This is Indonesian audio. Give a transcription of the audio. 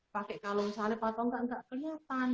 pakai kalung salep atau tidak tidak kelihatan